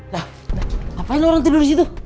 nah ngapain lu orang tidur disitu